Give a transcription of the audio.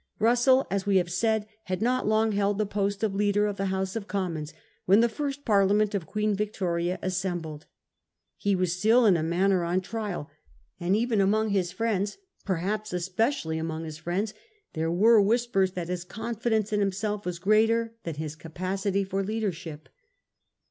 Russell, as we have said, had not long held the post of leader of the House of Commons when the first Parliament of Queen Victoria assembled. He was still, in a manner, on trial ; and even among his friends, perhaps espe cially among his friends, there were whispers that his confidence in himself was greater than his capacity for leadership.